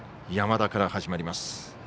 山田から始まります。